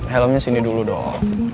helmnya sini dulu dong